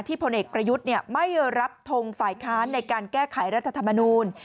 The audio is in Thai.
พลเอกประยุทธ์ไม่รับทงฝ่ายค้านในการแก้ไขรัฐธรรมนูล